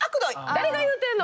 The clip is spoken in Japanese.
誰が言うてんの！